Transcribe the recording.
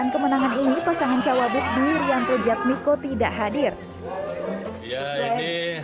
suka cinta sama teman